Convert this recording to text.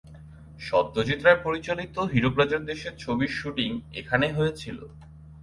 সত্যজিৎ রায় পরিচালিত "হীরক রাজার দেশে" ছবির শ্যুটিং এখানে হয়েছিল।